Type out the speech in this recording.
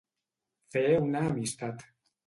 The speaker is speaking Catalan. Fer una amistat.